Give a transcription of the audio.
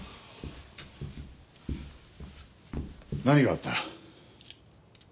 何があった？